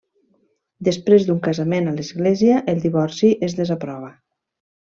Després d'un casament a l'església el divorci es desaprova.